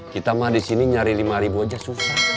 kita mah disini nyari rp lima ribu aja susah